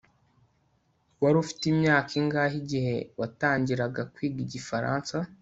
Wari ufite imyaka ingahe igihe watangiraga kwiga igifaransa